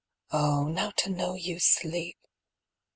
Oh, now to know you sleep!